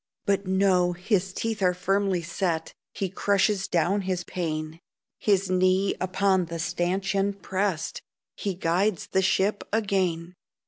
But no, his teeth are firmly set, He crushes down his pain, His knee upon the stanchion pressed, He guides the ship again.